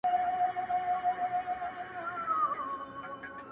سیاه پوسي ده _ ترې کډي اخلو _